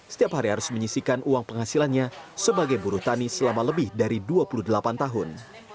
setiap hari harus menyisikan uang penghasilannya sebagai buruh tani selama lebih dari dua puluh delapan tahun